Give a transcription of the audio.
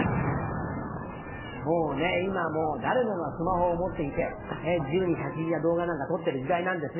もうね今もう誰もがスマホを持っていて自由に写真や動画なんか撮ってる時代なんですが。